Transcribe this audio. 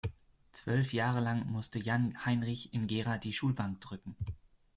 Zwölf Jahre lang musste Jan-Heinrich in Gera die Schulbank drücken.